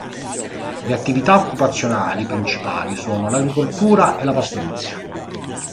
Le attività occupazionali principali sono l'agricoltura e la pastorizia.